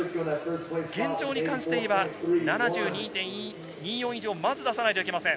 現状に関して今、７２．２４以上をまず出さないといけません。